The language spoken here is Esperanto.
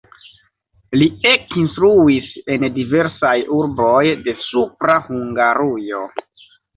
Li ekinstruis en diversaj urboj de Supra Hungarujo.